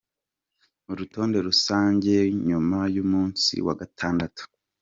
Urutonde rusang nyuma y’umunsi wa gatandatu.